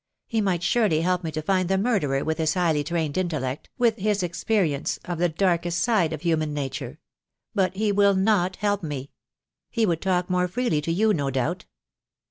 He might surely help me to find the murderer, with his highly trained intellect, with his experience of the darkest side of human nature. But he will not help me. He would talk more freely to you, no doubt."